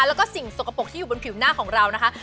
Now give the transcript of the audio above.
แล้วก็สิ่งสกปรกที่อยู่บนผิวหน้าของเรานะคะ